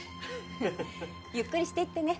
ゆっくりしていってね。